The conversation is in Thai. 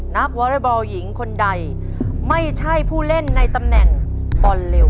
วอเรย์บอลหญิงคนใดไม่ใช่ผู้เล่นในตำแหน่งบอลเร็ว